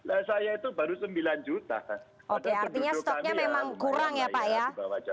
oke artinya stoknya memang kurang ya pak ya